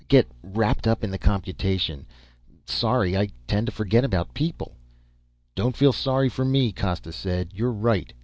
"Get wrapped up in the computation. Sorry. I tend to forget about people." "Don't feel sorry to me," Costa said. "You're right.